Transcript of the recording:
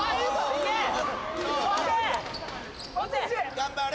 頑張れ！